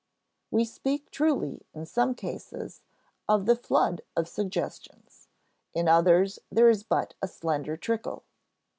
We speak truly, in some cases, of the flood of suggestions; in others, there is but a slender trickle.